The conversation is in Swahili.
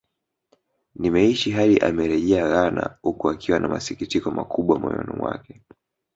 Nimeishi hadi amerejea Ghana huku akiwa na masikitiko makubwa moyono mwake